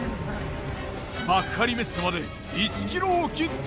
幕張メッセまで１ｋｍを切った。